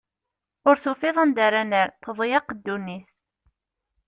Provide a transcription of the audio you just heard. Ur tufiḍ anda ara nerr, teḍyeq ddunit.